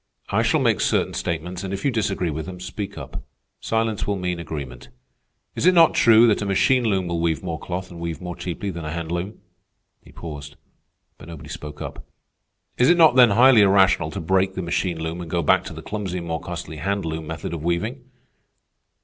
I shall make certain statements, and if you disagree with them, speak up. Silence will mean agreement. Is it not true that a machine loom will weave more cloth and weave more cheaply than a hand loom?" He paused, but nobody spoke up. "Is it not then highly irrational to break the machine loom and go back to the clumsy and more costly hand loom method of weaving?"